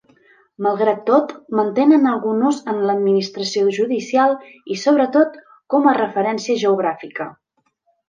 Malgrat tot, mantenen algun ús en l’administració judicial i, sobretot, com a referència geogràfica.